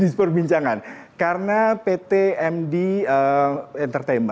terima kasih banyak banyak alan hagelvaen walgj text of the time